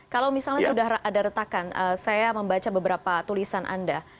kalau misalnya sudah ada retakan saya membaca beberapa tulisan anda